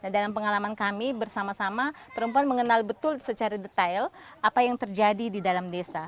dalam pengalaman kami bersama sama perempuan mengenal betul secara detail apa yang terjadi di dalam desa